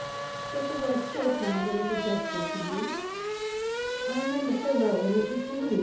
Does the word still sound a little dreadful to you? I remember so well when it did to me.